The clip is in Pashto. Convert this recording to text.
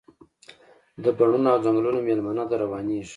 د بڼوڼو او ځنګلونو میلمنه ده، روانیږي